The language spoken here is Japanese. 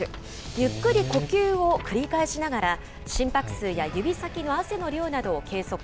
ゆっくり呼吸を繰り返しながら、心拍数や指先の汗の量などを計測。